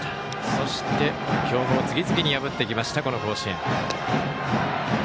そして、強豪を次々に破ってきました、この甲子園。